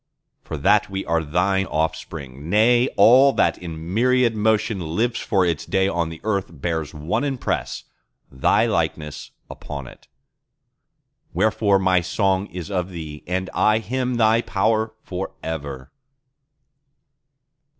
For that we are Thine offspring; nay, all that in myriad motion Lives for its day on the earth bears one impress—Thy likeness—upon it. Wherefore my song is of Thee, and I hymn thy power for ever.